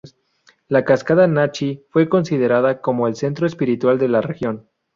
La cascada Nachi fue considerada como el centro espiritual de la región.